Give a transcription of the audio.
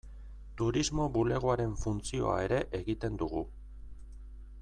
Turismo bulegoaren funtzioa ere egiten dugu.